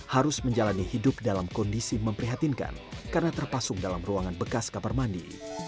harus menjalani hidup dalam kondisi memprihatinkan karena terpasung dalam ruangan bekas kamar mandi